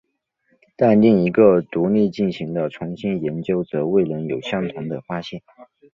但另一个独立进行的重新研究则未能有相同的发现。